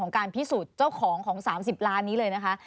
การพิสูจน์เจ้าของของ๓๐ล้านนี้เลยนะคะ